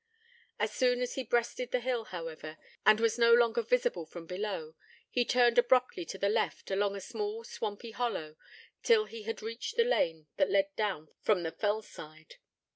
As soon as he had breasted the hill, however, and was no longer visible from below, he turned abruptly to the left, along a small, swampy hollow, till he had reached the lane that led down from the fell side.